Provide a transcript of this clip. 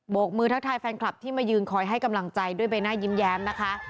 กมือทักทายแฟนคลับที่มายืนคอยให้กำลังใจด้วยใบหน้ายิ้มแย้มนะคะ